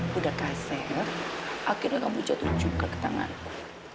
sudah kasar akhirnya kamu jatuh juga ke tanganku